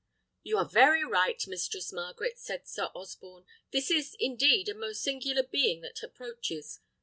"You are very right, Mistress Margaret," said Sir Osborne; "this is, indeed, a most singular being that approaches.